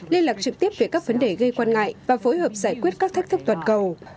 liên lạc trực tiếp về các vấn đề gây quan ngại và phối hợp giải quyết các thách thức toàn cầu